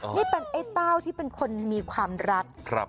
นี่เป็นไอ้เต้าที่เป็นคนมีความรัก